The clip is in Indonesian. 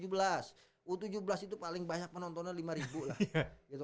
u tujuh belas itu paling banyak penontonnya lima ribu lah